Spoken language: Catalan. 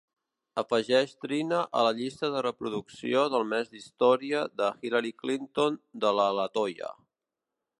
Afegeix Trina a la llista de reproducció del mes d'història de Hillary Clinton de la Latoya.